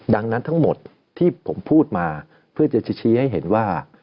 ดังนั้นทั้งหมดที่ผมพูดมาเพื่อจะชี้ให้เห็นว่า